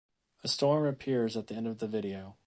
A storm appears at the end of the video.